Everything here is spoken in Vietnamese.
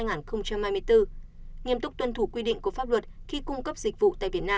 nghiêm túc tuân thủ quy định của pháp luật khi cung cấp dịch vụ tại việt nam